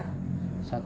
dua meter ada panjangnya